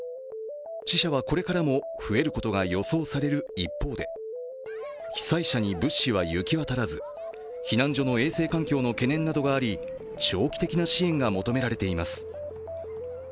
死者はこれからも増えることが予想される一方で被災者に物資は行き渡らず、避難所の衛生環境の懸念などがあり、長期的な支援が求められています。